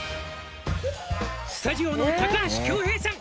「スタジオの高橋恭平さん」